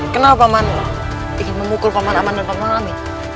kenapa pak man ingin memukul pak man aman dan pak man amin